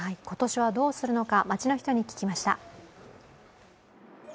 今年はどうするのか街の人に聞きました。